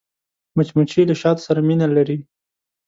مچمچۍ له شاتو سره مینه لري